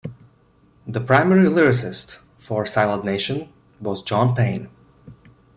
The primary lyricist for "Silent Nation" was John Payne.